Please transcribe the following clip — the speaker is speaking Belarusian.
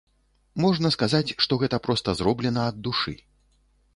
Можна сказаць, што гэта проста зроблена ад душы.